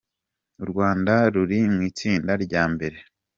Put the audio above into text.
U Rwanda ruri mu itsinda rya mbere